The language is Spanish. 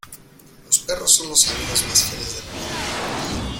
Los perros son los amigos más fieles del humano.